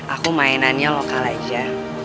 aku mainannya lokal aja